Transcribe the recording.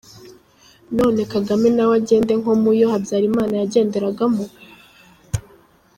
none Kagame nawe agende nko muyo Habyarimana yagenderagamo?